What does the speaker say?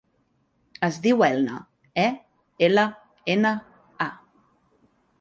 Es diu Elna: e, ela, ena, a.